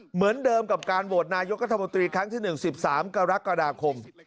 เหมือนเดิมกับการโหวตนายกรัฐมนตรีครั้งที่๑๑๓กรกฎาคม